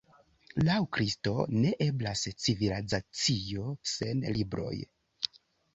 Laŭ Kristo, ne eblas civilizacio sen libroj.